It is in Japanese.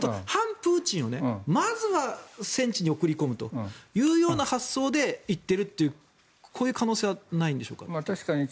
反プーチンをまずは戦地に送り込むというような発想で行っているというこういう可能性はないんでしょうか。